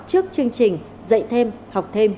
trước chương trình dạy thêm học thêm